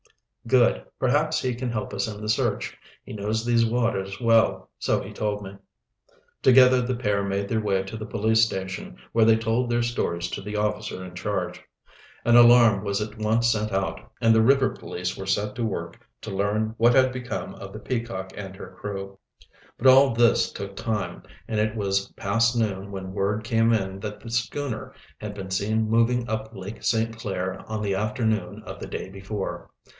"Good. Perhaps he can help us in the search. He knows these waters well, so he told me." Together the pair made their way to the police station, where they told their stories to the officer in charge. An alarm was at once sent out, and the river police were set to work to learn what had become of the Peacock and her crew. But all this took time, and it was past noon when word came in that the schooner had been seen moving up Lake St. Clair on the afternoon of the day before.